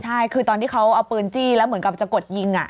ใช่คือตอนที่เขาเอาปืนจี้แล้วเหมือนกับจะกดยิง